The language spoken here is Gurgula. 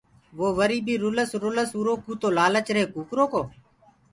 وو وري بي رُلس رُلس اُرو ڪوُ تو لآلچ رهي ڪُڪرو ڪو۔